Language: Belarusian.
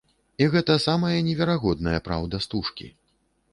І гэта самая неверагодная праўда стужкі.